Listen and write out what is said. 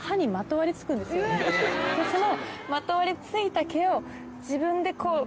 「その」